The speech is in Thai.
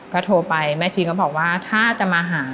ก็โทรไปแม่ชีก็บอกว่าถ้าจะมาหา